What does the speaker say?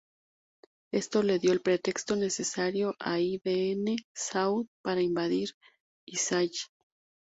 Esto le dio el pretexto necesario a Ibn Saud para invadir el Hiyaz.